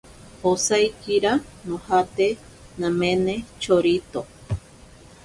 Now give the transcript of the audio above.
Osaikira nojate namene chorito.